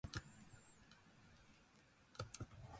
アマパー州の州都はマカパである